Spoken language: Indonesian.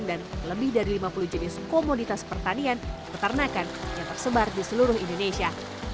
dan lebih dari lima puluh jenis komoditas pertanian peternakan yang tersebar di seluruh indonesia